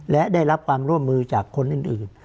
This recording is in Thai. และได้รับความร่วมมือจากคนอื่น